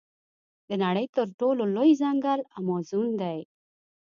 د نړۍ تر ټولو لوی ځنګل امازون دی.